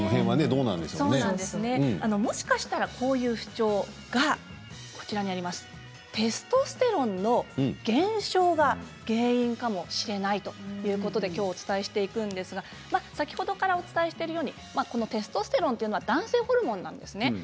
もしかしたらこういう不調がテストステロンの減少が原因かもしれないいうことできょうお伝えしていくんですが先ほどからお伝えしているようにテストステロンは男性ホルモンなんですね。